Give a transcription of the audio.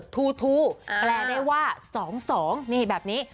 ทูแปลได้ว่า๒๒นี่แบบนี้